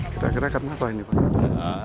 kira kira kenapa ini pak